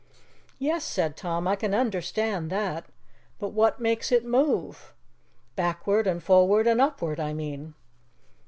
"Yes," said Tom, "I can understand that. But what makes it move? backward and forward and upward, I mean."